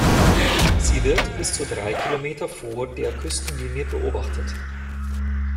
Sie wird bis zu drei Kilometer vor der Küstenlinie beobachtet.